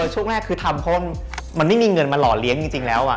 ช่วงแรกคือทำเพราะมันไม่มีเงินมาหล่อเลี้ยงจริงแล้ว